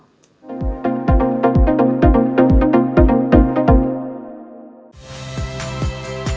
itu harus menjadi visi utama